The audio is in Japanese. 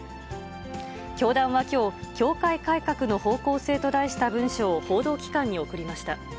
教団はきょう、教会改革の方向性と題した文書を報道機関に送りました。